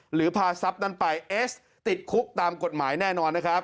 หรือพาทรัพย์นั้นไปเอสติดคุกตามกฎหมายแน่นอนนะครับ